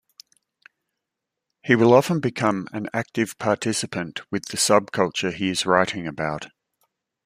He will often become an active participant with the subculture he is writing about.